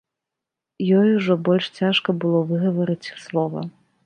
Ёй ужо больш цяжка было выгаварыць і слова.